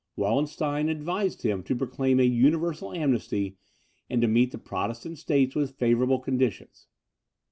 Wallenstein advised him to proclaim a universal amnesty, and to meet the Protestant states with favourable conditions.